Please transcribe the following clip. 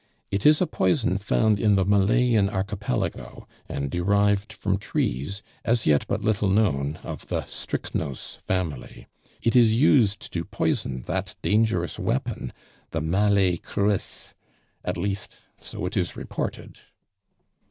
"It is a poison found in the Malayan Archipelago, and derived from trees, as yet but little known, of the strychnos family; it is used to poison that dangerous weapon, the Malay kris. At least, so it is reported."